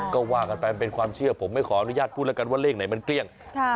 ก็ว่ากันไปมันเป็นความเชื่อผมไม่ขออนุญาตพูดแล้วกันว่าเลขไหนมันเกลี้ยง